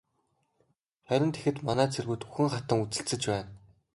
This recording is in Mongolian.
Харин тэгэхэд манай цэргүүд үхэн хатан үзэлцэж байна.